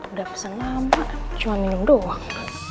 udah pesan lama cuma minum doang